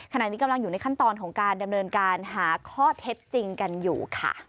ขณะนี้กำลังอยู่ในขั้นตอนของการดำเนินการหาข้อเท็จจริงกันอยู่ค่ะ